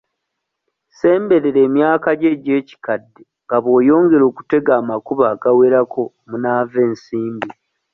Ssemberera emyaka gyo egy'ekikadde nga bw'oyongera okutega amakubo agawerako omunaava ensimbi.